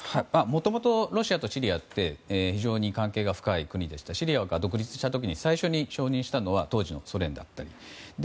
もともとロシアとシリアって非常に関係が深い国でシリアが独立した時に最初に承認したのは当時のソ連でした。